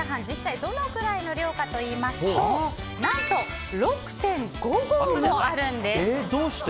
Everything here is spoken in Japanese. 実際どのくらいの量かといいますと何と、６．５合もあるんです。